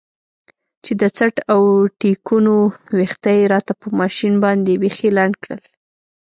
چې د څټ او ټېکونو ويښته يې راته په ماشين باندې بيخي لنډ کړل.